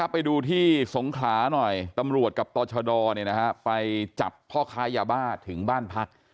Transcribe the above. ไปดูที่สงขลาหน่อยตำรวจกับต่อชดไปจับพ่อค้ายาบ้าถึงบ้านพัก